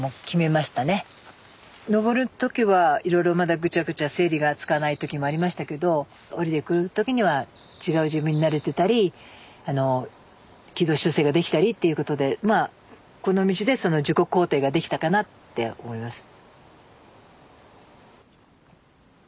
登る時はいろいろまだグチャグチャ整理がつかない時もありましたけど下りてくる時には違う自分になれてたり軌道修正ができたりっていうことでこの道で自己肯定ができたかなって思います。